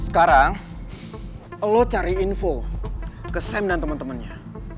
sekarang lo cari info ke sam dan temen temennya